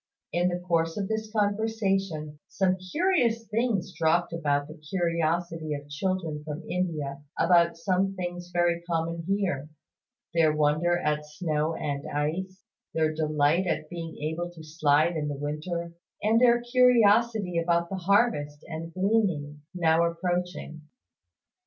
In the course of this conversation some curious things dropped about the curiosity of children from India about some things very common here; their wonder at snow and ice, their delight at being able to slide in the winter, and their curiosity about the harvest and gleaning, now approaching.